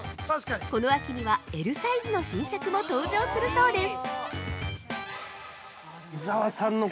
この秋にはＬサイズの新作も登場するそうです！